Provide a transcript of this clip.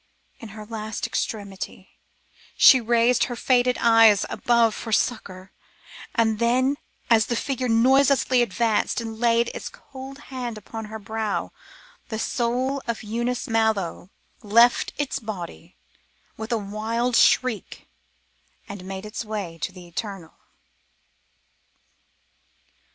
In her last extremity she raised her faded eyes above for succour, and then as the figure noiselessly advanced and laid its cold hand upon her brow, the soul of Eunice Mallow left its body with a wild shriek and made its way to the Eternal.